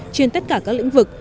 trên tất cả các lĩnh vực